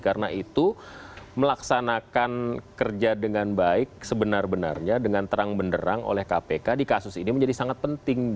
karena itu melaksanakan kerja dengan baik sebenarnya dengan terang benderang oleh kpk di kasus ini menjadi sangat penting